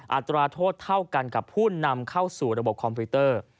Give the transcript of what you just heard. อัตราโทษเท่ากันกับผู้นำเข้าสู่ระบบคอมพิวเตอร์